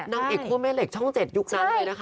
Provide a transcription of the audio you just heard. นางเอกคั่วแม่เหล็กช่อง๗ยุคนั้นเลยนะคะ